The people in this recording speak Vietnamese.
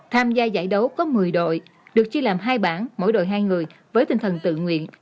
tham gia giải đấu có một mươi đội được chia làm hai bảng mỗi đội hai người với tinh thần tự nguyện